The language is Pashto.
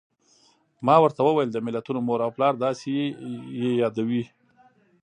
ما ورته وویل: د ملتونو مور او پلار، داسې یې یادوي.